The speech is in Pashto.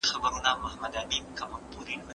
د نورو هغې نيمه د انا دا يوه نيمه.